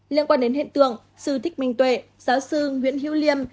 liên quan đến hiện tượng sư thích minh tuệ giáo sư nguyễn hữu liêm